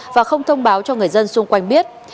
và không thông báo cho người dân xung quanh biết